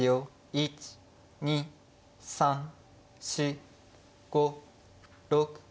１２３４５６７。